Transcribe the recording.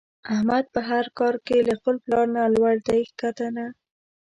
احمد په هر کار کې له خپل پلار نه لوړ دی ښکته نه.